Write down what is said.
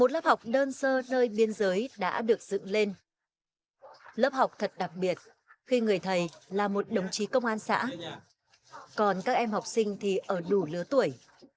lớp học đơn sơ nơi biên giới đã được dựng lên lớp học thật đặc biệt khi người thầy là một đồng chí công an xã còn các em học sinh thì ở đủ lứa tuổi